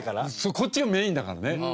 こっちがメインだからね。